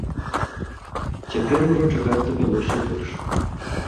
Цяпер ужо чакаць давялося больш.